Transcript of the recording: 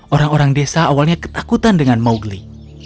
orang orang desa awalnya ketakutan dengan mowgli